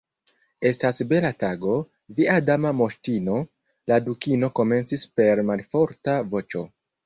"Estas bela tago, via Dama Moŝtino," la Dukino komencis per malforta voĉo.